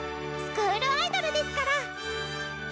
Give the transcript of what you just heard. スクールアイドルですから！